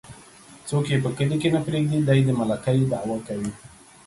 څوک يې په کلي کې نه پرېږدي ،دى د ملکۍ دعوه کوي.